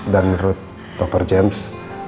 dan menurut dokter james